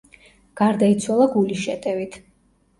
გარდაიცვალა გულის შეტევით.